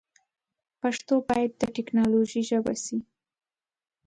پښتو باید د ټیکنالوژي ژبه سی.